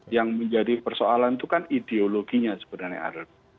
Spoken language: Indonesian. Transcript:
yang menjadi persoalan itu kan ideologinya sebenarnya